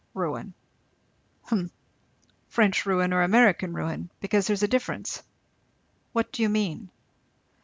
"Ruin." "Humph. French ruin, or American ruin? because there's a difference. What do you mean?"